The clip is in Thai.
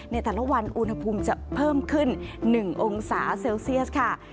ในแต่ละวันอุณหภูมิจะเพิ่มขึ้น๑องศาเซลเซียสค่ะ